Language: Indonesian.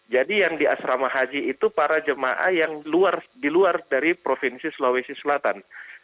jadi yang di asrama haji itu para jemaah yang diluar dari provinsi sulawesi selatan